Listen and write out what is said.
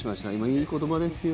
いい言葉ですよ。